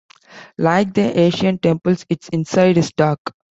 Like the ancient temples its inside is dark.